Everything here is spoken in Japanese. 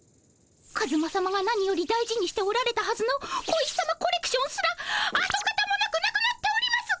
カズマさまが何より大事にしておられたはずの小石さまコレクションすらあとかたもなくなくなっております！